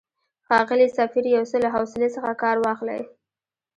ښاغلی سفیر، یو څه له حوصلې څخه کار واخلئ.